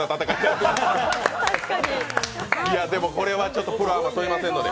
これはプロアマ問いませんので。